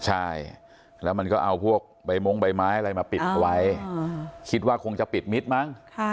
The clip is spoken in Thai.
ใช่แล้วมันก็เอาพวกใบมงใบไม้อะไรมาปิดเอาไว้คิดว่าคงจะปิดมิตรมั้ง